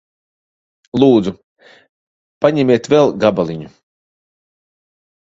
Lūdzu. Paņemiet vēl gabaliņu.